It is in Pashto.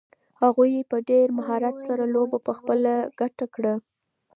هغوی په ډېر مهارت سره لوبه په خپله ګټه کړه.